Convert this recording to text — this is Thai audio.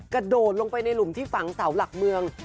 กระโดดลงไปในหลุมที่ฝังเสาหลักเมือง